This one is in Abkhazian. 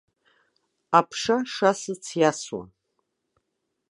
Аԥша шасыц иасуан.